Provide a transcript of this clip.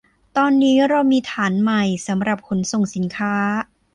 ตอนนี้เรามีฐานใหม่สำหรับขนส่งสินค้า